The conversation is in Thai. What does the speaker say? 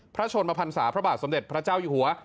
ชนมพันศาพระบาทสมเด็จพระเจ้าอยู่หัว